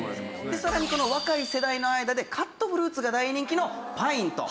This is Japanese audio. さらに若い世代の間でカットフルーツが大人気のパインと。